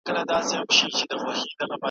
زیندۍ په ښار کي